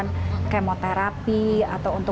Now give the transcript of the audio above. tidak mengerti apa apa